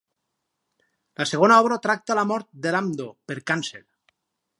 La segona obra tracta la mort de Ladmo per càncer.